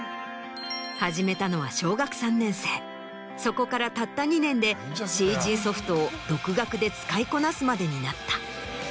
始めたのは小学３年生そこからたった２年でＣＧソフトを独学で使いこなすまでになった。